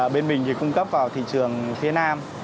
bên mình thì cung cấp vào thị trường phía nam